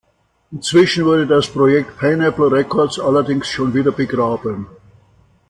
Inzwischen wurde das Projekt "Pineapple Records" allerdings schon wieder begraben.